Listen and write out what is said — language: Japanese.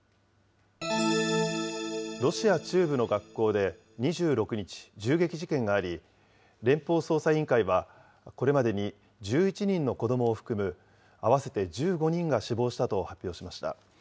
ロシア中部の学校で２６日、銃撃事件があり、連邦捜査委員会は、これまでに１１人の子どもを含む合わせて１５人が死亡したと発表しました。